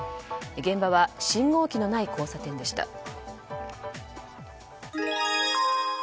現場は信号機のない交差点でした。